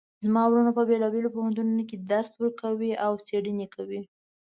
زما وروڼه په بیلابیلو پوهنتونونو کې درس ورکوي او څیړنې کوی